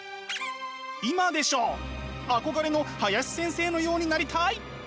憧れの林先生のようになりたい！